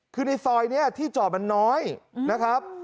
คือในซอยนี้ที่จอดมันน้อยนะครับ